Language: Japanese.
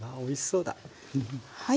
はい。